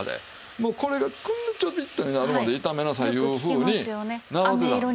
もうこれがこんなちょびっとになるまで炒めなさいいうふうに習うてたん。